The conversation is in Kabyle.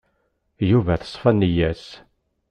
Yuba teṣfa nneyya-s.